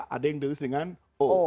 ada yang diulis dengan o